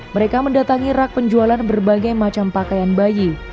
mereka mendatangi rak penjualan berbagai macam pakaian bayi